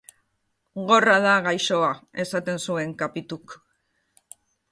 Gorra da, gaixoa, esaten zuen Capituk.